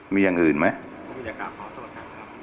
มีอย่างอื่นไหม